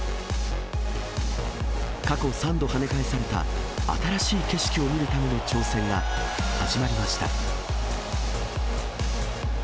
過去３度はね返された、新しい景色を見るための挑戦が始まりました。